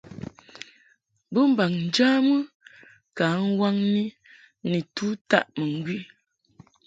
Bɨmbaŋ njamɨ ka nwaŋni nitu taʼ mɨŋgwi.